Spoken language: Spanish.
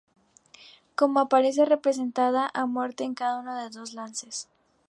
Como aparece representada a morte en cada un dos lances?